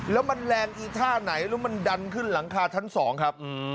แล้วมันแรงอีท่าไหนแล้วมันดันขึ้นหลังคาชั้น๒ครับ